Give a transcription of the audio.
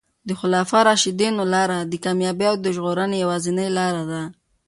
د خلفای راشدینو لاره د کامیابۍ او ژغورنې یوازینۍ لاره ده.